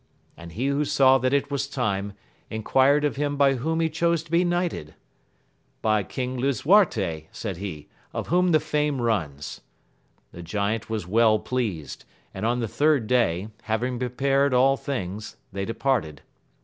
and he who saw that it was time, enquired of him by whom he chose to be knighted. By King Lisuarte, said he, of whom the fame runs. The giant was well pleased, and on the third day, having prepared all things, they departed.